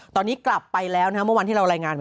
ตอนนี้กลับไปแล้วเมื่อวันที่เรารายงานไป